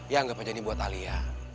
ya anggap aja ini buat alia